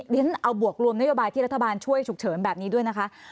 เรียนเอาบวกรวมนโยบายที่รัฐบาลช่วยฉุกเฉินแบบนี้ด้วยนะคะ